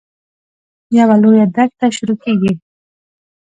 یوه لویه دښته شروع کېږي.